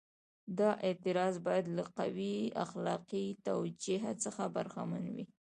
دا اعتراض باید له قوي اخلاقي توجیه څخه برخمن وي.